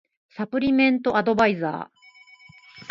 サプリメントアドバイザー